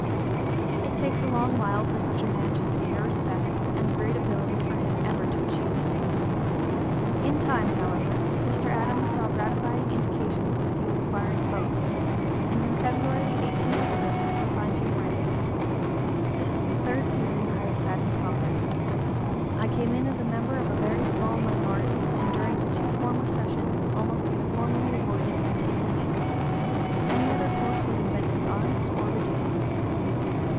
It takes a long while for such a man to secure respect, and great ability for him ever to achieve influence. In time, however, Mr. Adams saw gratifying indications that he was acquiring both, and in February, 1806, we find him writing: "This is the third session I have sat in Congress. I came in (p. 037) as a member of a very small minority, and during the two former sessions almost uniformly avoided to take a lead; any other course would have been dishonest or ridiculous.